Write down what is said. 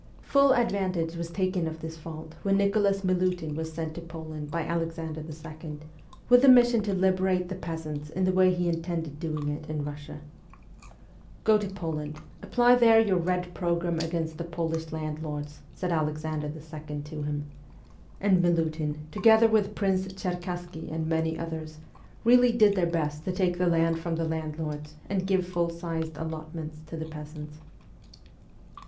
Full advantage was taken of this fault when Nicholas Milutin was sent to Poland by Alexander II. with the mission to liberate the peasants in the way he intended doing it in Russia. ' Go to Poland ; apply there your Red programme against the Polish landlords,' said Alexander II. to him ; and Milutin, to gether with Prince Cherkassky and many others, really did their best to take the land from the landlords and give full sized allotments to the peasants.